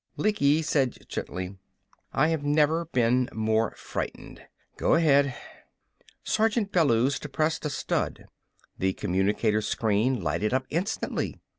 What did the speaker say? Lecky said gently: "I have never been more frightened. Go ahead!" Sergeant Bellews depressed a stud. The communicator's screen lighted up instantly.